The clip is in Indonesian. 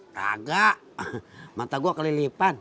kagak mata gue kelilipan